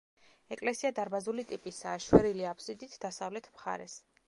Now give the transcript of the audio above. ეკლესია დარბაზული ტიპისაა, შვერილი აფსიდით დასავლეთ მხარეს.